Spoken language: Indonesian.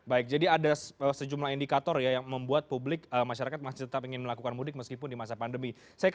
baik jadi ada sejumlah indikator ya yang membuat publik masyarakat masih tetap ingin melakukan mudik meskipun di masa pandemi